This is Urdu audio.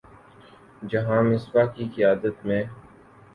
جہاں مصباح کی قیادت میں